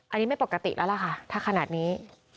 อันนี้ไม่ปกติแล้วล่ะค่ะถ้าขนาดนี้